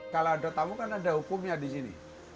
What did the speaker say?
kalau ada tamu kan ada hukumnya di sini